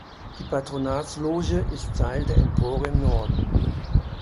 Die Patronatsloge ist Teil der Empore im Norden.